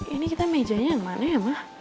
ini kita mejanya yang mana ya mah